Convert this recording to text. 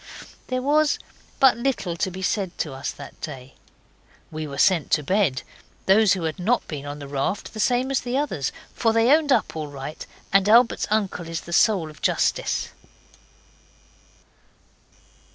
There was but little said to us that day. We were sent to bed those who had not been on the raft the same as the others, for they owned up all right, and Albert's uncle is the soul of justice.